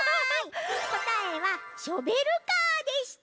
こたえはショベルカーでした。